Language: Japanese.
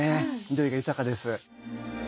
緑が豊かです。